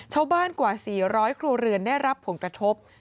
ชาวบ้านกว่า๔๐๐ครัวเรือนได้รับผงกระทบ